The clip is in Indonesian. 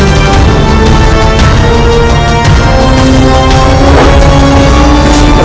media dan media and music